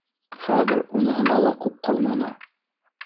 Хәҙер уныһына ла күп ҡалманы